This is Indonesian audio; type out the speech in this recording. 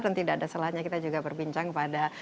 nanti dadah selanjutnya kita juga berbincang pada